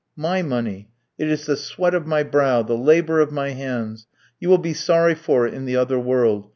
"My money. It is the sweat of my brow; the labour of my hands. You will be sorry for it in the other world.